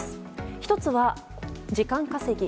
１つは時間稼ぎ。